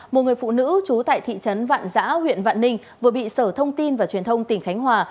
một người phụ nữ trú tại thị trấn vạn giã huyện vạn ninh vừa bị sở thông tin và truyền thông tỉnh khánh hòa